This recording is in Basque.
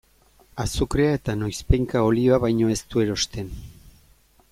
Azukrea eta noizbehinka olioa baino ez du erosten.